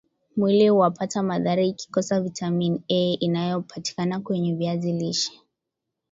mwili huapata madhara ikikosa viatamin A inayopatikana kwenye viazi lishe